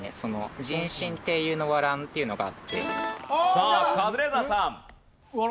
さあカズレーザーさん。